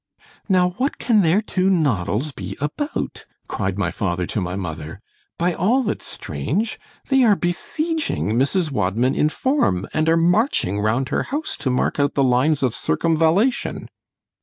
——Now what can their two noddles be about? cried my father to my mother——by all that's strange, they are besieging Mrs. Wadman in form, and are marching round her house to mark out the lines of circumvallation.